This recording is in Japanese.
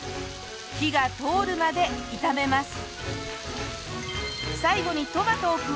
火が通るまで炒めます。